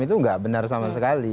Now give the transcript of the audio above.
itu nggak benar sama sekali